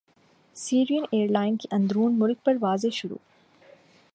سیرین airline کی اندرون ملک پروازیں شروع